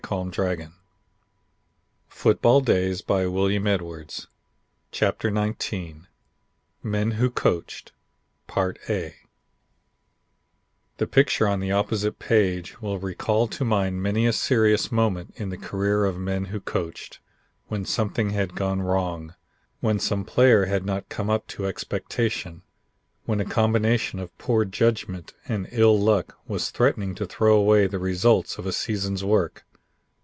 [Illustration: ONE SCENE NEVER PHOTOGRAPHED IN FOOTBALL] CHAPTER XIX MEN WHO COACHED The picture on the opposite page will recall to mind many a serious moment in the career of men who coached; when something had gone wrong; when some player had not come up to expectation; when a combination of poor judgment and ill luck was threatening to throw away the results of a season's work.